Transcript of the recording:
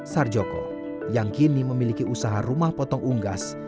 sarjoko yang kini memiliki usaha rumah potong unggas